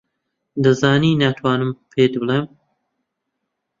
دەزانی ناتوانم پێت بڵێم.